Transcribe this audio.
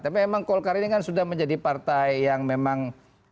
tapi memang golkar ini kan sudah menjadi partai yang memang